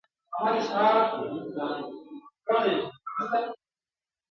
دا د پردیو اجل مه ورانوی!.